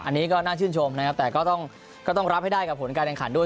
อันนี้ก็น่าชื่นชมนะครับแต่ก็ต้องรับให้ได้กับผลการแข่งขันด้วย